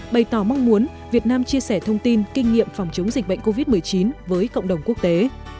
bày tỏ mong muốn việt nam chia sẻ thông tin kinh nghiệm phòng chống dịch bệnh covid một mươi chín với cộng đồng quốc tế